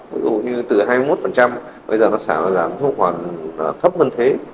ví dụ như từ hai mươi một bây giờ nó giảm khoảng thấp hơn thế